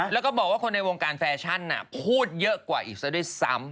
แล้วก็บอกว่าคนในวงการแฟชั่นพูดเยอะกว่าอีกซะด้วยซ้ำ